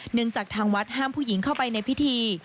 จากทางวัดห้ามผู้หญิงเข้าไปในพิธี